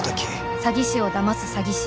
詐欺師を騙す詐欺師